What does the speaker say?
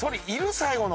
最後の。